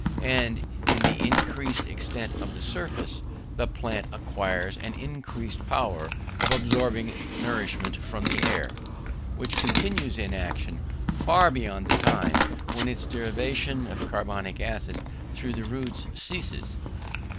and in the increased extent of the surface, the plant acquires an increased power of absorbing nourishment from the air, which continues in action far beyond the time when its derivation of carbonic acid through the roots ceases.